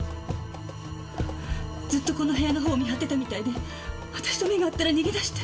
ずっとこの部屋のほうを見張ってたみたいで私と目が合ったら逃げ出して。